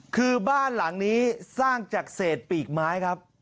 คือบ้านหลังนี้สร้างจากเศษปีกไม้ครับ